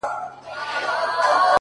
• هغه به اور له خپلو سترګو پرېولي ـ